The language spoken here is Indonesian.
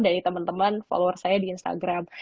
dari teman teman follower saya di instagram